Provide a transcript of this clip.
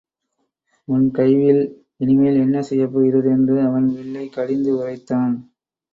உன் கைவில் இனிமேல் என்ன செய்யப் போகிறது? என்று அவன் வில்லைக் கடிந்து உரைத்தான்.